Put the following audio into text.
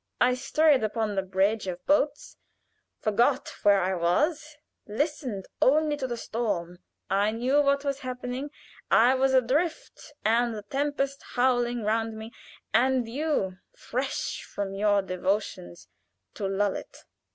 I strayed upon the bridge of boats; forgot where I was, listened only to the storm: ere I knew what was happening I was adrift and the tempest howling round me and you, fresh from your devotions to lull it."